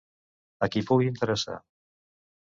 A qui pugui interessar.